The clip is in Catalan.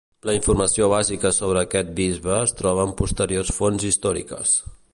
La informació bàsica sobre aquest bisbe es troba en posteriors fonts històriques.